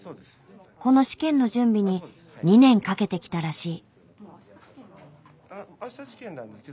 この試験の準備に２年かけてきたらしい。